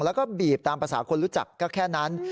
แล้วก็บีบตามภาษาคนรู้จักก็แค่นั้น